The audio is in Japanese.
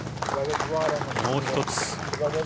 もう１つ。